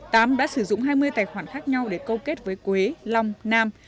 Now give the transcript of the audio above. tám đã sử dụng hai mươi tài khoản khác nhau để câu kết với quế long nam